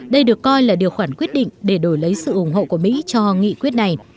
đây được coi là điều khoản quyết định để đổi lấy sự ủng hộ của mỹ cho nghị quyết này